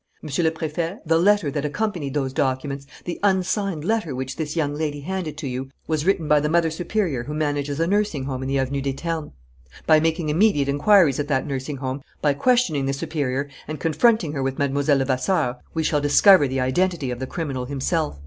Monsieur le Préfet, the letter that accompanied those documents, the unsigned letter which this young lady handed you, was written by the mother superior who manages a nursing home in the Avenue des Ternes. "By making immediate inquiries at that nursing home, by questioning the superior and confronting her with Mlle. Levasseur, we shall discover the identity of the criminal himself.